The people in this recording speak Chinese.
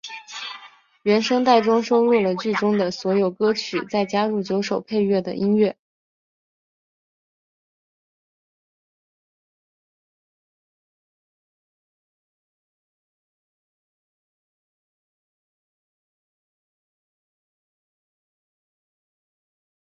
锋芒草为禾本科锋芒草属下的一个种。